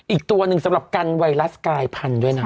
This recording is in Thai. อีกตัวหนึ่งสำหรับกันไวรัสกายพันธุ์ด้วยนะ